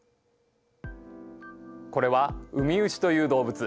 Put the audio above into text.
これはウミウシという動物。